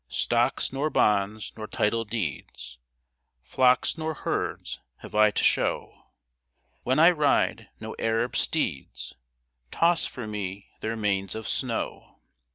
Stocks, nor bonds, nor title deeds, Flocks nor herds have I to show ; When I ride, no Arab steeds Toss for me their manes of snow.